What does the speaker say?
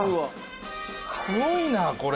すごいなこれ。